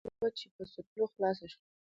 ـ د ابۍ دومره اګوره وه ،چې په څټلو خلاصه شوه.